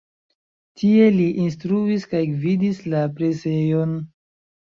Tie li instruis kaj gvidis la presejon.